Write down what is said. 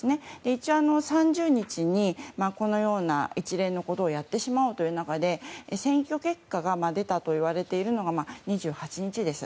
一応、３０日にこのような一連のことをやってしまおうという中で選挙結果が出たといわれているのが２８日です。